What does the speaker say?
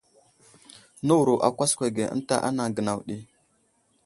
Nəwuro a kwaskwa ge ənta anaŋ gənaw ɗi.